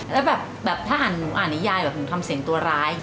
แล้วแบบถ้าหนูอ่านนิยายแบบหนูทำเสียงตัวร้าย